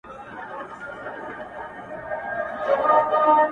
o زه ډېر كوچنى سم ـسم په مځكه ننوځم يارانـــو ـ